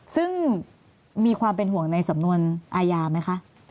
ซึ่งมีความเป็นห่วงในสำนวนอาญาไหมคะ